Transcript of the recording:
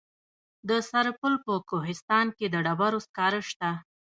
د سرپل په کوهستان کې د ډبرو سکاره شته.